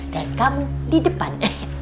dan kamu di depan